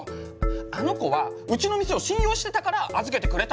あの子はうちの店を信用してたから預けてくれたの。